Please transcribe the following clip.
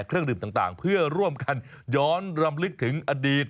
เครื่องดื่มต่างเพื่อร่วมกันย้อนรำลึกถึงอดีต